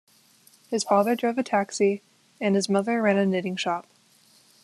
His father drove a taxi, and his mother ran a knitting shop.